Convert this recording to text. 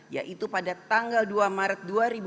yaitu pada tanggal dua maret dua ribu dua puluh